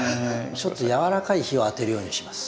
ちょっとやわらかい日を当てるようにします。